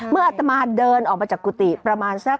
อัตมาเดินออกมาจากกุฏิประมาณสัก